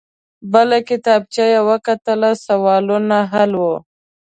بله کتابچه يې وکته. سوالونه حل وو.